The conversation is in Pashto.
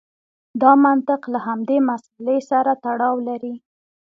دا منطق له همدې مسئلې سره تړاو لري.